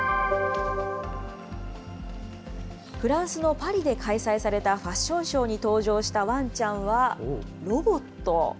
フランスのパリで開催されたファッションショーに登場したワンちゃんは、ロボット。